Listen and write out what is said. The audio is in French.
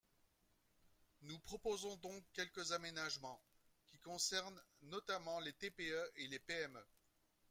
Nous proposons donc quelques aménagements, qui concernent notamment les TPE et les PME.